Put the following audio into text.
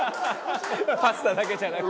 「パスタだけじゃなく？」